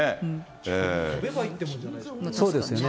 飛べばいいってもんじゃないでしょ。